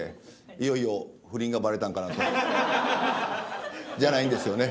いよいよ不倫がばれたんかなと。じゃないんですよね。